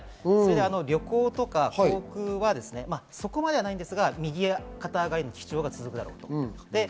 旅行とか航空は、そこまでじゃないんですけど右肩上がりが続くだろうと。